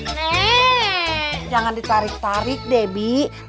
nih jangan ditarik tarik debbie